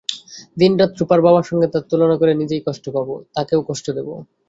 দিনরাত রূপার বাবার সঙ্গে তার তুলনা করে নিজেই কষ্ট পাব, তাকেও কষ্ট দেব।